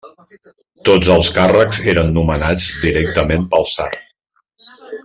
Tots els càrrecs eren nomenats directament pel tsar.